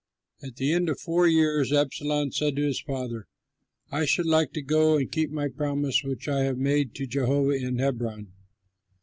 At the end of four years, Absalom said to his father, "I should like to go and keep my promise, which I have made to Jehovah in Hebron."